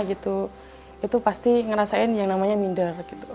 itu pasti ngerasain yang namanya minder